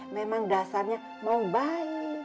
memang dasarnya mau baik